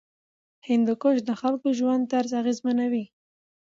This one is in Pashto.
هندوکش د خلکو ژوند طرز اغېزمنوي.